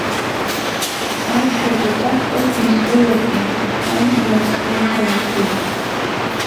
Аишәа ҿаҵак ықәны сгылозма, сан иаасылҭалак зегь.